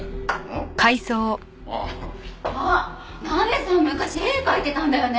ん？ああ。あっナベさん昔絵描いてたんだよね？